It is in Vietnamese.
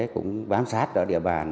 cũng bám sát ở địa bàn